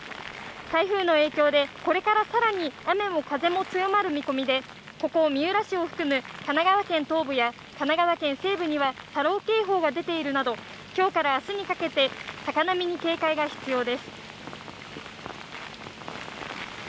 台風の影響でこれから更に雨も風も強まる見通しでここ三浦市を含む神奈川県東部や神奈川県西部には波浪警報が出ているなど、今日から明日にかけて高波に警戒が必要です。